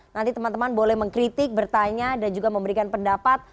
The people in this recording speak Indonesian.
nanti teman teman boleh mengkritik bertanya dan juga memberikan pendapat